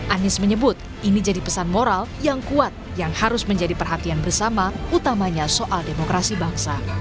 anies menyebut ini jadi pesan moral yang kuat yang harus menjadi perhatian bersama utamanya soal demokrasi bangsa